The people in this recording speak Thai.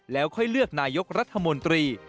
แล้วค่อยเลือกนายกรัฐมนตรี